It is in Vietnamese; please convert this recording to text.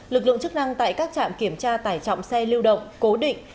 lực lượng chức năng tại các trạm kiểm tra tải trọng xe lưu động cố định